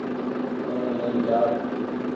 همني لين چآل۔